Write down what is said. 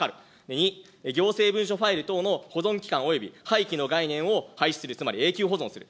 ２、行政文書ファイル等の保存期間及び廃棄の概念を廃止する、つまり永久保存する。